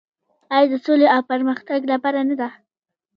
آیا د سولې او پرمختګ لپاره نه ده؟